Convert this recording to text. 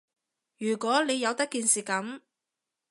如果你由得件事噉